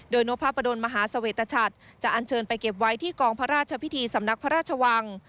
โดยนพพระประดนมหาเสวตชัดจะอันเชิญไปเก็บไว้ที่กองพระราชพิธีสำนักพระราชวัง